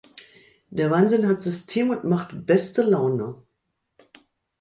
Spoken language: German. Der Wahnsinn hat System und macht beste Laune.